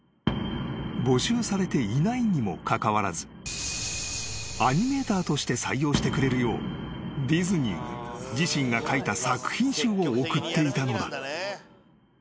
［募集されていないにもかかわらずアニメーターとして採用してくれるようディズニーに自身が描いた作品集を送っていたのだ］